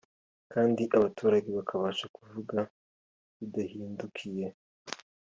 kandi abaturage bakabasha kuvuga bibahendukiye